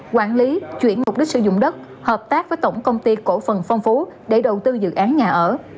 quản lý chuyển mục đích sử dụng đất hợp tác với tổng công ty cổ phần phong phú để đầu tư dự án nhà ở